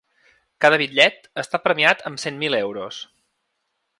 Cada bitllet està premiat amb cent mil euros.